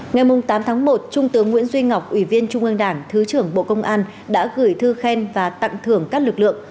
ngày tám tháng một trung tướng nguyễn duy ngọc ủy viên trung ương đảng thứ trưởng bộ công an đã gửi thư khen và tặng thưởng các lực lượng